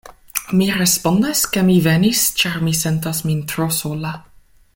Mi respondas, ke mi venis ĉar mi sentas min tro sola.